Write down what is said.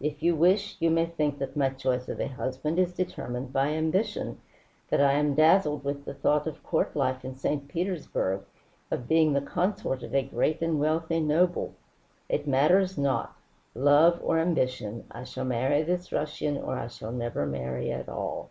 If you wish, you may think that my choice of a husband is determined by ambition, that I am dazzled with the thought of court life in St. Petersburg, of being the consort of a great and wealthy noble. It matters not. Love or ambition, I shall marry this Russian or I shall never marry at all."